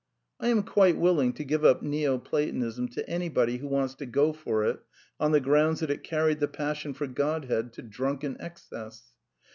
I am quite willing to give up Neo Platonism to anybody who wants to go for it on the grounds that it carried the passion for Godhead to drunken excess.